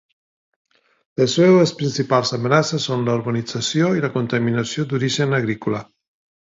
Les seues principals amenaces són la urbanització i la contaminació d'origen agrícola.